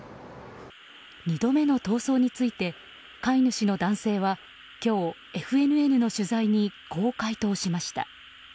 ２度目の逃走について飼い主の男性は今日、ＦＮＮの取材にこう回答しました。